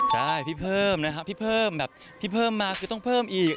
ใช่พี่เพิ่มนะครับพี่เพิ่มมาคือต้องเพิ่มอีก